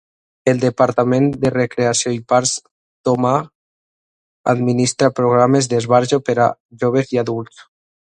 El Departament de Recreació i Parcs Tomah administra programes d'esbarjo per a joves i adults.